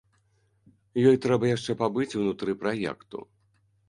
Ёй трэба яшчэ пабыць унутры праекту.